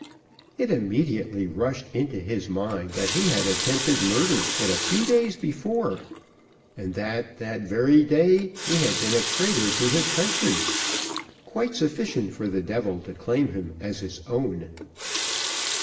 It immediately rushed into his mind that he had attempted murder but a few days before, and that, that very day he had been a traitor to his country quite sufficient for the devil to claim him as his own.